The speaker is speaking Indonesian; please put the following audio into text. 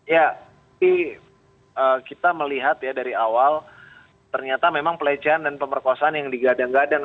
ya kita melihat ya dari awal ternyata memang pelecehan dan pemerkosaan yang digadang gadang